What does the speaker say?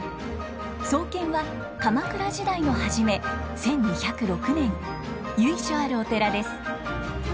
創建は鎌倉時代の初め１２０６年由緒あるお寺です。